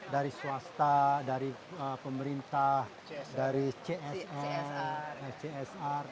dari swasta dari pemerintah dari csr fcsr